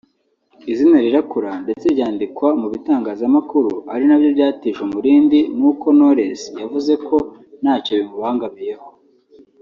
izina rirakura ndetse ryandikwa mu bitangazamakuru ari nabyo byatije umurindi n’uko Knowless yavuze ko ntacyo bimubangamiyeho